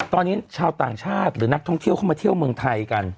ตอนนี้ชาวต่างชาติหรือนักท่องเที่ยวเข้ามาเที่ยวเมืองไทยกัน